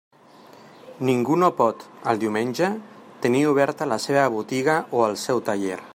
Ningú no pot, el diumenge, tenir oberta la seva botiga o el seu taller.